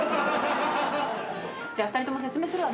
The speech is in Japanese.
じゃあ２人とも説明するわね。